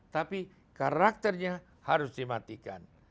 tapi karakternya harus dimatikan